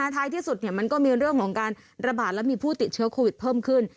ท้ายที่สุดมันก็มีเรื่องของการระบาดและมีผู้ติดเชื้อโควิดเพิ่มขึ้น